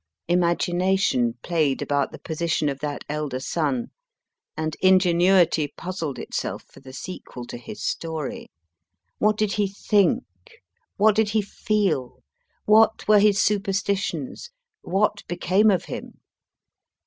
Imagination THE CASTLE ROCK, ST. JOHN S VALE played about the position of that elder son, and ingenuity puzzled itself for the sequel to his story. What did he think ? What did he feel ? What were his superstitions ? What be came of him